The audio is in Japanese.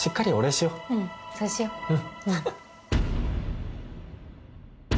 うんそうしよう。